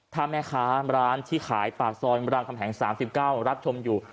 ถ้าแม่ค้าร้านที่ขายปากซอยรามคำแหง๓๙รับชมอยู่